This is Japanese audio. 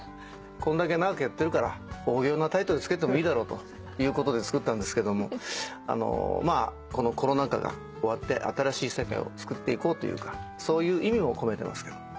こんだけ長くやってるから横行なタイトル付けてもいいだろうということで作ったんですけどもまあこのコロナ禍が終わって新しい世界をつくっていこうというかそういう意味も込めてますけど。